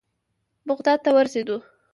بغداد ته ورسېدو.